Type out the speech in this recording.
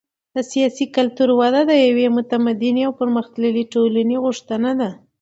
د سیاسي کلتور وده د یوې متمدنې او پرمختللې ټولنې غوښتنه ده.